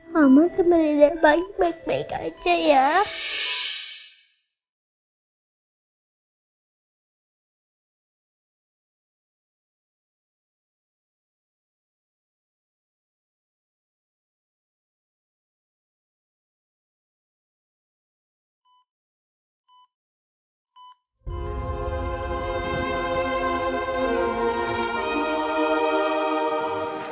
mama sebenernya baik baik aja ya